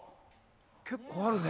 結構あるね。